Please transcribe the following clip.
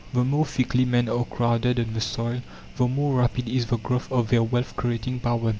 The more thickly men are crowded on the soil, the more rapid is the growth of their wealth creating power.